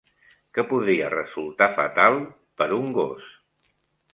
Què podria resultar fatal per un gos?